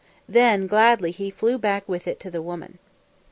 Then gladly he flew back with it to the woman.